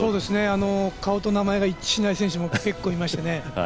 顔と名前が一致しない選手も結構いましてね